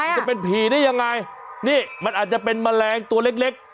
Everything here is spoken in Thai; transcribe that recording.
มันจะเป็นผีได้ยังไงนี่มันอาจจะเป็นแมลงตัวเล็กเล็ก